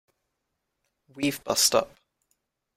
We've bust up.